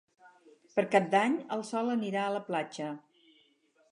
Per Cap d'Any en Sol anirà a la platja.